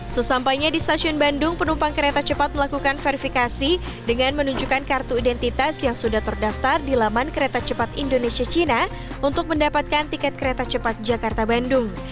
sesampainya di stasiun bandung penumpang kereta cepat melakukan verifikasi dengan menunjukkan kartu identitas yang sudah terdaftar di laman kereta cepat indonesia cina untuk mendapatkan tiket kereta cepat jakarta bandung